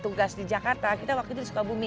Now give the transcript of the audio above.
tugas di jakarta kita waktu itu suka bumi